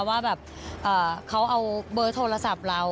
ว่าแบบเขาเอาเบอร์โทรศัพท์เรา